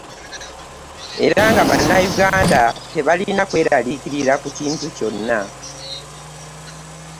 Era nga Bannayuganda tebalina kweraliikirira ku kintu kyonna.